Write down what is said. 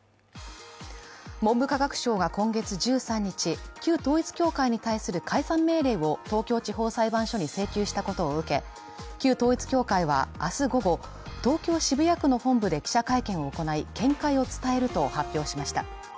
文部科学省が今月１３日、旧統一教会に対する解散命令を東京地方裁判所に請求したことを受け、旧統一教会は明日午後、東京・渋谷区の本部で記者会見を行い見解を伝えると発表しました。